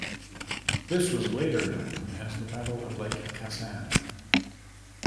This was later known as the Battle of Lake Khasan.